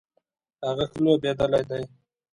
هغه ښه لوبیدلی دی